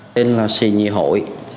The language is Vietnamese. tên là sì nhi hội